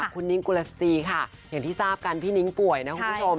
คุณนิ้งกุลสซีค่ะอย่างที่ทราบกันพี่นิ้งป่วยนะคุณผู้ชม